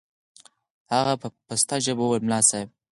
هغه په پسته ژبه وويل ملا صاحب.